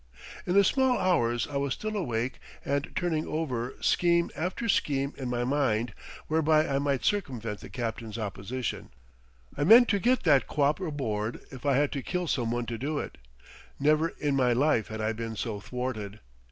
In the small hours I was still awake and turning over scheme after scheme in my mind whereby I might circumvent the captain's opposition. I meant to get that quap aboard if I had to kill some one to do it. Never in my life had I been so thwarted!